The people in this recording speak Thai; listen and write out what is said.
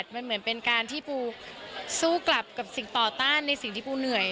มันเหมือนเป็นการที่ปูสู้กลับกับสิ่งต่อต้านในสิ่งที่ปูเหนื่อย